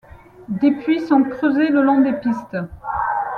Des puits sont creusés le long des pistes.